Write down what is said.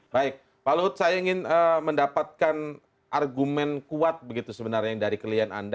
baik pak luhut saya ingin mendapatkan argumen kuat begitu sebenarnya dari klien anda